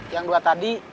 yang dua tadi